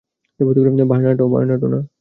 Bernardo, না!